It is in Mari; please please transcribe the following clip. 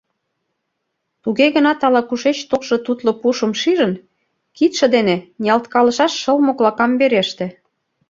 Туге гынат ала-кушеч толшо тутло пушым шижын, кидше дене ниялткалышаш шыл моклакам вереште.